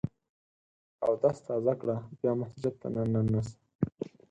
اودس تازه کړه ، بیا مسجد ته دننه سه!